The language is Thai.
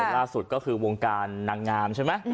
ล่าสุดก็คือวงการนางงามใช่ไหม